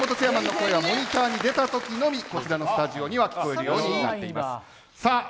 松本チェアマンの声はモニターに出たときだけこちらのスタジオに聞こえるようになっています。